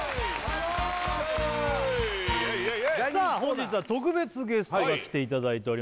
さあ本日は特別ゲストが来ていただいております